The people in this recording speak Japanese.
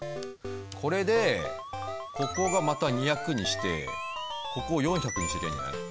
これでここがまた２００にしてここを４００にしときゃいいんじゃない？